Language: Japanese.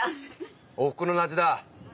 おふくろの味だ。